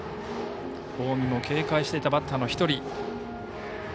近江も警戒していたバッターの１人。